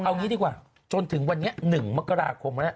เอาอย่างนี้ดีกว่าจนถึงวันนี้๑มกราคม